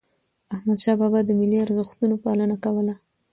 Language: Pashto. احمد شاه بابا د ملي ارزښتونو پالنه کوله.